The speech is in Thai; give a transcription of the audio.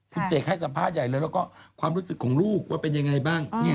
คุณเสกให้สัมภาษณ์ใหญ่เลยแล้วก็ความรู้สึกของลูกว่าเป็นยังไงบ้าง